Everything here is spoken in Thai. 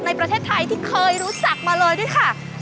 ในประเทศไทยที่เคยรู้จักมาเลยด้วยค่ะ